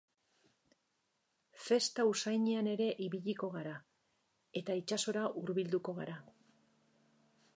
Festa usainean ere ibiliko gara, eta itsasora hurbilduko gara.